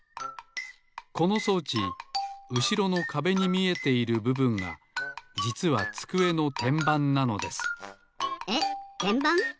この装置うしろのかべに見えているぶぶんがじつはつくえのてんばんなのですえってんばん？